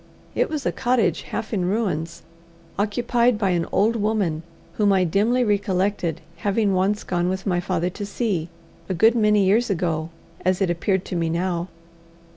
It was a cottage half in ruins, occupied by an old woman whom I dimly recollected having once gone with my father to see a good many years ago, as it appeared to me now.